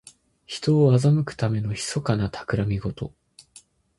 人を欺くためのひそかなたくらみごと。